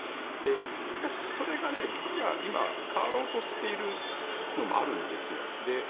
しかし、それが実は今変わろうとしているのもあるんですよ。